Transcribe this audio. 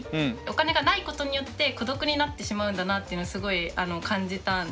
お金がないことによって孤独になってしまうんだなっていうのをすごい感じたんですよ。